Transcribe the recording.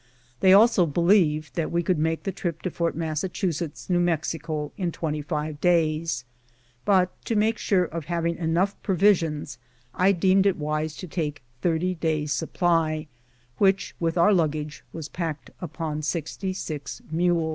They also believed that we could make the trip to Fort Massachusetts, New Mexico, in twenty five days; but, to make sure of having enough, provisions, I deemed it wise to take thirty days' supply, which, with our luggage, was packed upon sixty six mules.